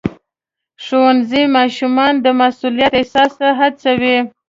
ښوونځی ماشومان د مسؤلیت احساس ته هڅوي.